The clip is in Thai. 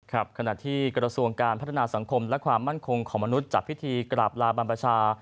ขณะที่กระทรวงการพัฒนาสังคมและความมั่นคงของมนุษย์จัดพิธีกราบลาบรรพชา